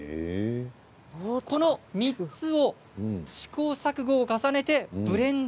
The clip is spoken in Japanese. この３つを試行錯誤を重ねてブレンド。